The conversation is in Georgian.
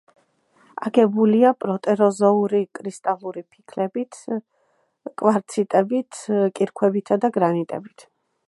აგებულია პროტეროზოური კრისტალური ფიქლებით, კვარციტებით, კირქვებითა და გრანიტებით.